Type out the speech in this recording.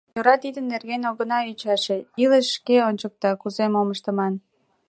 Йӧра, тидын нерген огына ӱчаше, илыш шке ончыкта, кузе мом ыштыман.